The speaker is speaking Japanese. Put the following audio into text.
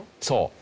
そう。